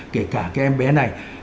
kể cả cái em bé này